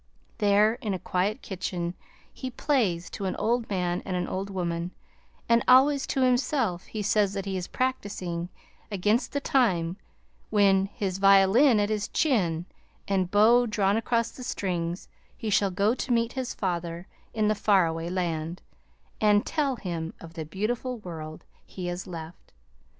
There in a quiet kitchen he plays to an old man and an old woman; and always to himself he says that he is practicing against the time when, his violin at his chin and the bow drawn across the strings, he shall go to meet his father in the far away land, and tell him of the beautiful world he has left.